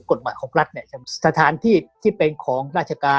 กฎหมายของรัฐเนี่ยสถานที่ที่เป็นของราชการ